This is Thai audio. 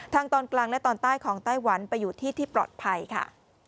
ตอนกลางและตอนใต้ของไต้หวันไปอยู่ที่ที่ปลอดภัยค่ะ